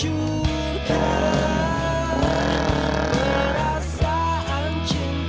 hancurkan perasaan cintaku